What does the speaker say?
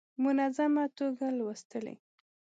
منظمه توګه لوستلې.